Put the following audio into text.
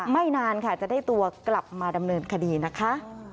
นานค่ะจะได้ตัวกลับมาดำเนินคดีนะคะ